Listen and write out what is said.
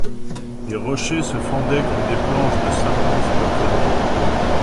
Les rochers se fendaient comme des planches de sapin sous la cognée.